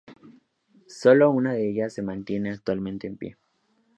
Sólo una de ellas se mantiene actualmente en pie.